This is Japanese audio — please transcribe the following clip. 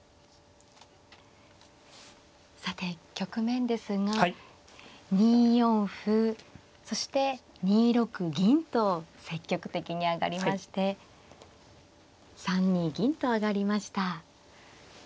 さて局面ですが２四歩そして２六銀と積極的に上がりまして３二銀と上がりました。